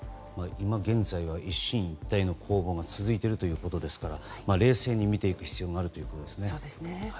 今現在は一進一退の攻防が続いているということですから冷静に見ていく必要があるということですね。